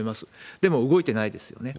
でも、動いてないですよね。